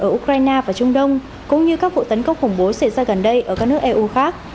ở ukraine và trung đông cũng như các vụ tấn công khủng bố xảy ra gần đây ở các nước eu khác